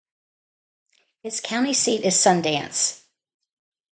Its county seat is Sundance.